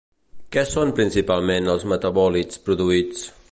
Què són principalment els metabòlits produïts?